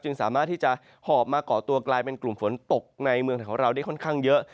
สามารถที่จะหอบมาก่อตัวกลายเป็นกลุ่มฝนตกในเมืองของเราได้ค่อนข้างเยอะ